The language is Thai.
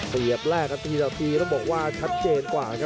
เสียบแลกละนีต้องบอกว่าชัดเจนกว่านะครับ